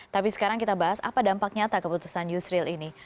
tapi sekarang kita bahas apa dampak nyata keputusan yusril ini